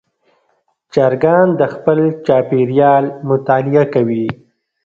چرګان د خپل چاپېریال مطالعه کوي.